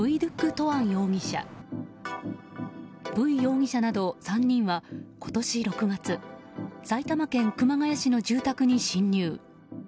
トアン容疑者ら３人は今年６月埼玉県熊谷市の住宅に侵入。